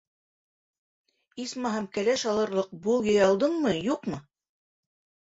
Исмаһам, кәләш алырлыҡ бол йыя алдыңмы, юҡмы?